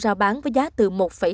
rao bán với giá từ một tám